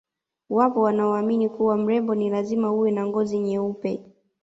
Wapo wanaoamini kuwa mrembo ni lazima uwe na ngozi nyeupe